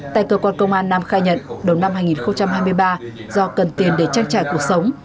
tại cơ quan công an nam khai nhận đầu năm hai nghìn hai mươi ba do cần tiền để tranh trải cuộc sống